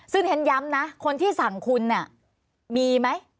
ซึ่งเฮ้นย้ำนะคนที่สั่งคุณมีไหม